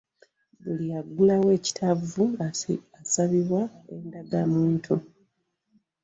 Buli aggulawo ekittavvu asabibwa endagamuntu.